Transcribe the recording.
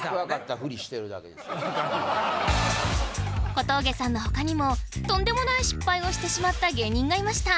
小峠さんの他にもとんでもない失敗をしてしまった芸人がいました。